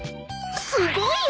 すごいや。